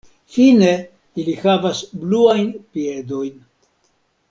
Fine ili havas bluajn piedojn.